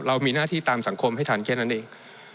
เรามีหน้าที่ตามสังคมให้ทันแค่นั้นเอง